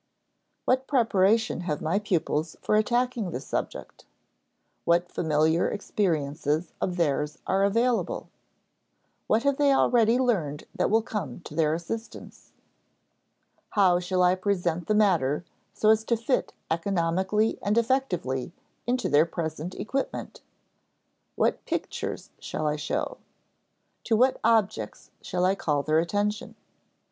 What preparation have my pupils for attacking this subject? What familiar experiences of theirs are available? What have they already learned that will come to their assistance? How shall I present the matter so as to fit economically and effectively into their present equipment? What pictures shall I show? To what objects shall I call their attention?